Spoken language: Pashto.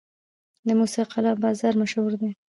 د موسی قلعه بازار مشهور دی